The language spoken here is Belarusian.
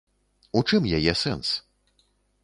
У чым яе сэнс?